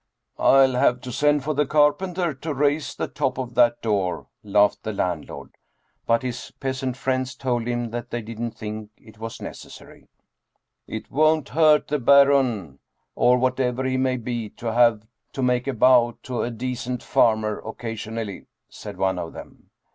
" I'll have to send for the carpenter to raise the top of that door," laughed the landlord. But his peasant friends told him that they didn't think it was necessary. " It won't hurt the Baron or whatever he may be to have to make a bow to a decent farmer occasionally," said one of them.